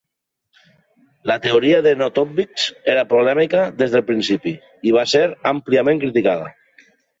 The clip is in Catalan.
La teoria de Notovitx era polèmica des del principi i va ser àmpliament criticada.